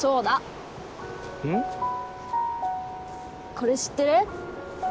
これ知ってる？